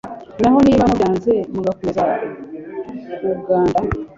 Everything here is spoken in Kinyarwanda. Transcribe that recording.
naho niba mubyanze, mugakomeza kuganda